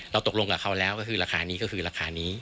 ตกลงกับเขาแล้วก็คือราคานี้ก็คือราคานี้